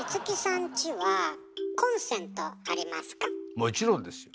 もちろんですよ。